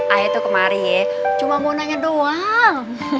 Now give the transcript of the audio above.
ayah itu kemari cuma mau nanya doang